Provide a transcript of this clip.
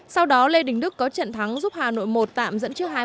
sau đó lê đình đức có trận thắng giúp hà nội một tạm dẫn trước hai